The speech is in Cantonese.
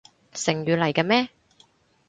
成語嚟嘅咩？